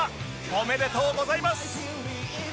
おめでとうございます！